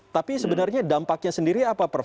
tapi sebenarnya dampaknya sendiri apa prof